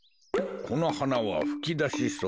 このはなはふきだし草。